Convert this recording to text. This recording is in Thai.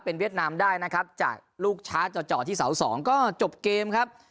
เวียดนามได้นะครับจากลูกช้าจ่อที่เสาสองก็จบเกมครับ